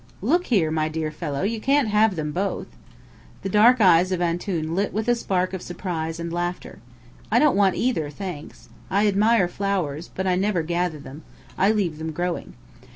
"Look here, my dear fellow, you can't have them both!" The dark eyes of Antoun lit with a spark of surprise and laughter. "I don't want either, thanks. I admire flowers, but I never gather them. I leave them growing.